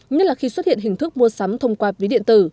nhất là khi xuất hiện hình thức mua sắm thông qua ví điện tử